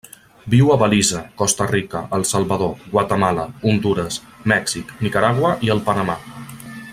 Viu a Belize, Costa Rica, El Salvador, Guatemala, Hondures, Mèxic, Nicaragua i el Panamà.